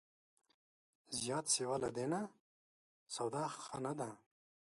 زیات سیوا له دې نه، سودا ښه نه ده